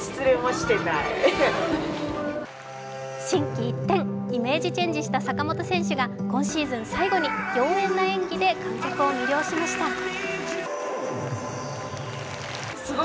心機一転、イメージチェンジした坂本選手が今シーズン最後に妖艶な演技で観客を魅了しました。